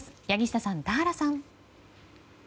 柳下さん、田原さん。